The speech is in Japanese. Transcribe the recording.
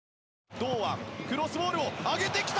堂安クロスボールを上げてきた！